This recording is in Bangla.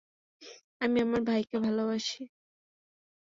আমি আমার ভাইকে ভালোবাসি।